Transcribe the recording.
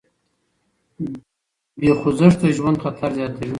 بې خوځښته ژوند خطر زیاتوي.